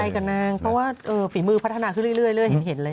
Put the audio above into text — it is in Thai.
กับนางเพราะว่าฝีมือพัฒนาขึ้นเรื่อยเห็นเลย